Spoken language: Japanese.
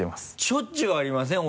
しょっちゅうありません？